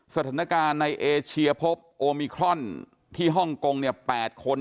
สถานการณ์ในเอเชียพบโอมิครอนที่ฮ่องกง๘คน